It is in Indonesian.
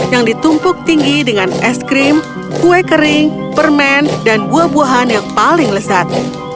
yang ditumpuk tinggi dengan es krim kue kering permen dan buah buahan yang paling lezat